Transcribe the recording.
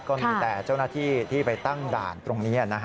ก็มีแต่เจ้าหน้าที่ที่ไปตั้งด่านตรงนี้